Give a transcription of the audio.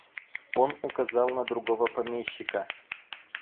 Он указал на другого помещика.